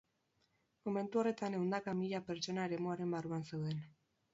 Momentu horretan ehundaka mila pertsona eremuaren barruan zeuden.